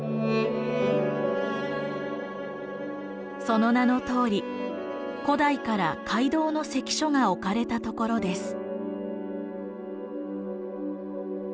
その名のとおり古代から街道の関所が置かれたところです。